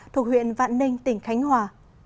thuộc huyện vạn ninh tỉnh khánh hòa